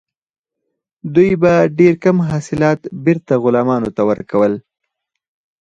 دوی به ډیر کم حاصلات بیرته غلامانو ته ورکول.